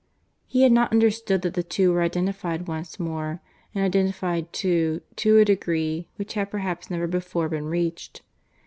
He had not understood that the two were identified once more; and identified, too, to a degree which had perhaps never before been reached.